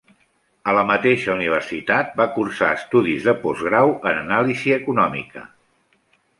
A la mateixa universitat va cursar estudis de postgrau en Anàlisi Econòmica.